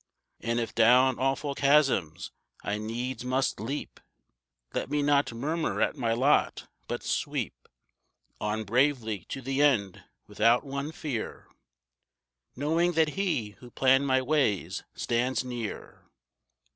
And if down awful chasms I needs must leap Let me not murmur at my lot, but sweep On bravely to the end without one fear, Knowing that He who planned my ways stands near.